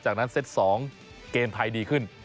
จากนั้นเซต๒เกมไทยดีขึ้น